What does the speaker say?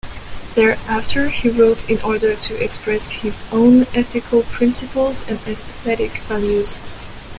Thereafter, he wrote in order to express his own ethical principles and aesthetic values.